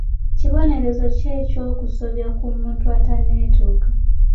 Kibonerezo ki eky'okusobya ku muntu atanneetuuka?